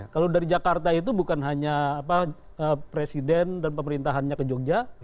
kalau dari jakarta itu bukan hanya presiden dan pemerintahannya ke jogja